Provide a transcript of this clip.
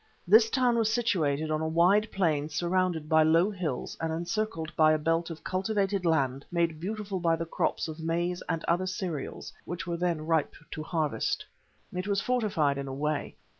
This town was situated on a wide plain surrounded by low hills and encircled by a belt of cultivated land made beautiful by the crops of maize and other cereals which were then ripe to harvest. It was fortified in a way.